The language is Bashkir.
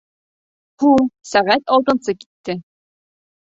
Һуң, сәғәт алтынсы китте.